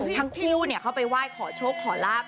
ทั้งคือเนี่ยเขาก็ไปไหว้ขอโชคขอราบ